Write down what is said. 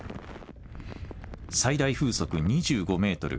最大風速２５メートル